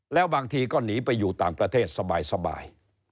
แล้วบางทีก็หนีไปอยู่ต่างประเทศสบาย